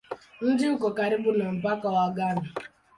Mji uko karibu na mpaka wa Ghana.